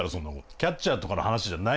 キャッチャーとかの話じゃない。